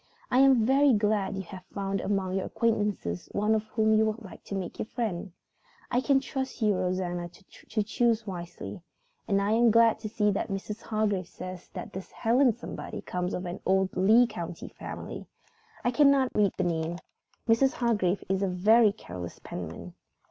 I am very glad you have found among your acquaintances one whom you would like to make your friend. I can trust you, Rosanna, to choose wisely. And I am glad to see that Mrs. Hargrave says that this Helen somebody comes of an old Lee County family. I cannot read the name. Mrs. Hargrave is a very careless penman.